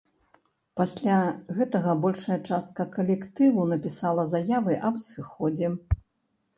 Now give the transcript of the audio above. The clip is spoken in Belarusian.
Пасля гэтага большая частка калектыву напісала заявы аб сыходзе.